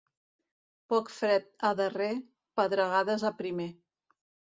Poc fred a darrer, pedregades a primer.